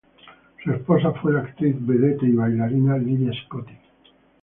Su esposa fue la actriz, vedette y bailarina Lydia Scotty.